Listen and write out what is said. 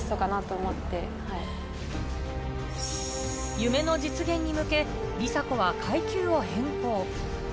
夢の実現に向け梨紗子は階級を変更。